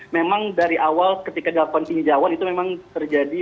memang dari awal ketika galauan tinggi jawan itu memang terjadi